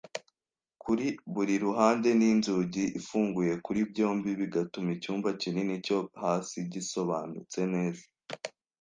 kuri buri ruhande n'inzugi ifunguye kuri byombi, bigatuma icyumba kinini, cyo hasi gisobanutse neza